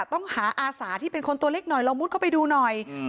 ต้องหาอาสาที่เป็นคนตัวเล็กหน่อยลองมุดเข้าไปดูหน่อย